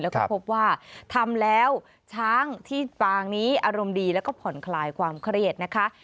แล้วก็พบว่าทำแล้วช้างที่ปางนี้อารมณ์ดีแล้วก็ผ่อนคลายความเครียดนะคะ